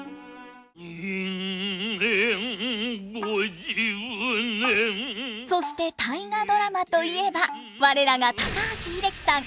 人間五十年そして「大河ドラマ」といえば我らが高橋英樹さん。